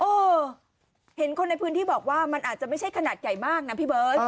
เออเห็นคนในพื้นที่บอกว่ามันอาจจะไม่ใช่ขนาดใหญ่มากนะพี่เบิร์ต